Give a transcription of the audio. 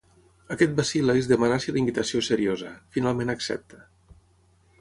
Aquest vacil·la i es demana si la invitació és seriosa, finalment accepta.